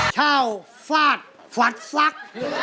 เช่าฟาดฟัดฟัก